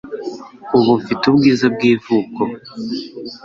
Ubu mfite ubwiza bw'ivuko